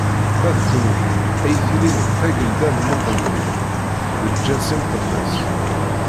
Ma d kenwi, ad yi-tilim d tagelda n lmuqeddmin, d lǧens imqeddes.